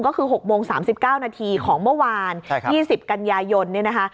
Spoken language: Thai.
ก็คือ๖โมง๓๙นาทีของเมื่อวาน๒๐กันยายนเนี่ยนะคะ